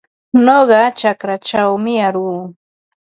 Nuqa chakraćhawmi aruu.